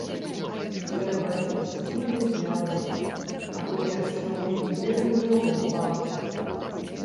Трэба ісці ды глянуць, а то яшчэ ў дзверы не лупа.